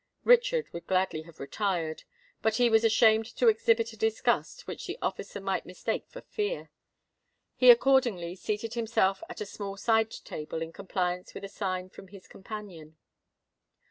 Richard would gladly have retired; but he was ashamed to exhibit a disgust which the officer might mistake for fear. He accordingly seated himself at a small side table, in compliance with a sign from his companion.